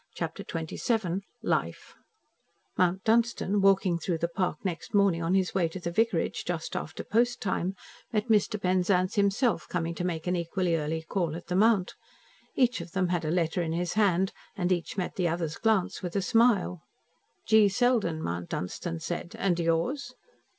CHAPTER XXVII LIFE Mount Dunstan, walking through the park next morning on his way to the vicarage, just after post time, met Mr. Penzance himself coming to make an equally early call at the Mount. Each of them had a letter in his hand, and each met the other's glance with a smile. "G. Selden," Mount Dunstan said. "And yours?"